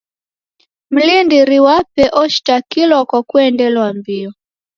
Mlindiri wape oshitakilwa kwa kuendelwa mbio.